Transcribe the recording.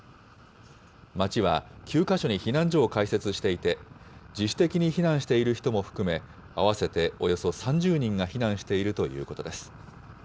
町は９か所に避難所を開設していて、自主的に避難している人も含め、合わせておよそ３０人が避難しているということです。